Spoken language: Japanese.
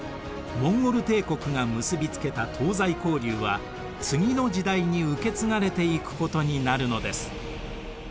モンゴル帝国が結びつけた東西交流は次の時代に受け継がれていくことになるのです。